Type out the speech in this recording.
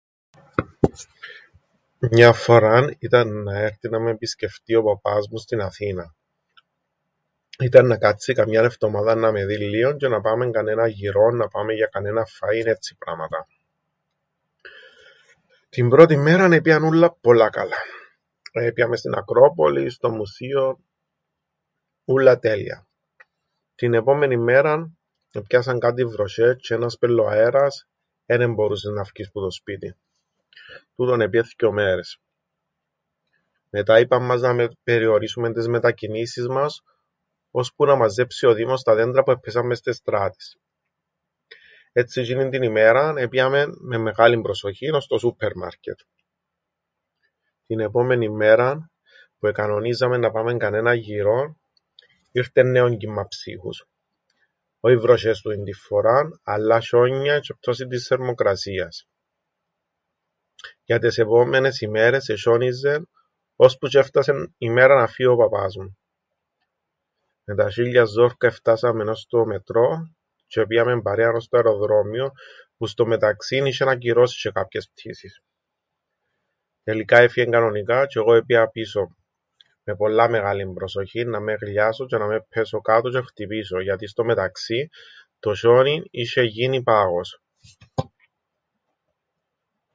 Μια φοράν ήταν να έρτει να με επισκεφτεί ο παπάς μου στην Αθήναν. Ήταν να κάτσει καμιάν εφτομάδαν να με δει λλίον τζ̆αι να πάμεν κανέναν γυρόν, να πάμεν για κανέναν φαΐν, έτσι πράματα. Την πρώτην μέραν επήαν ούλλα πολλά καλά. Επήαμεν στην Ακρόπολην, στο μουσείον, ούλλα τέλεια. Την επόμενην μέραν επιάσαν κάτι βροσ̆ές τζ̆αι ένας πελλοαέρας, εν εμπορούσες να φκεις που το σπίτιν. Τούτον επήεν θκυο μέρες. Μετά είπαν μας να περιορίσουμεν τες μετακινήσεις μας ώσπου να μαζέψει ο δήμος τα δέντρα που εππέσαν μες στες στράτες. Έτσι τζ̆είνην την ημέραν επήαμεν με μεγάλην προσοχήν ώς το σούππερμαρκετ. Την επόμενην μέραν που εκανονίζαμεν να πάμεν κανέναν γυρόν ήρτεν νέον κύμμαν ψύχους! Όι βροσ̆ές τούτην την φοράν αλλά σ̆ιόνια τζ̆αι πτώσην της θερμοκρασίας. Για τες επόμενες ημέρες εσ̆ιόνιζεν ώσπου τζ̆αι έφτασεν η μέρα να φύει ο παπάς μου... Με τα σ̆ίλια ζόρκα εφτάσαμεν ώς το μετρό τζ̆αι επήαμεν παρέαν ώς το αεροδρόμιον, που στο μεταξύν είσ̆εν ακυρώσει τζ̆αι κάποιες πτήσεις... Τελικά έφυεν κανονικά τζ̆αι εγώ επήα πίσω με πολλά μεγάλην προσοχήν να μεν γλιάσω τζ̆αι να ππέσω κάτω τζ̆αι να χτυπήσω, γιατί στο μεταξύν τον σ̆ιόνιν είσ̆εν γίνει πάγος.